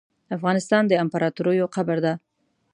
افغانستان د امپراتوریو قبر ده .